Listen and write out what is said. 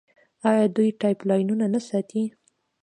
آیا دوی پایپ لاینونه نه ساتي؟